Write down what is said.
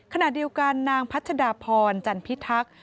ขณะเดียวกันนางพัชดาพรจันพิทักษ์